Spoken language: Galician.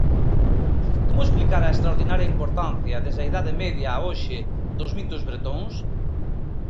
Como explicar a extraordinaria importancia, desde a Idade Media a hoxe, dos mitos bretóns?